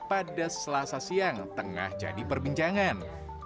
pada selasa siang tengah jadi perbincangan